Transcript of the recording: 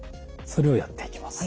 それをやっていきます。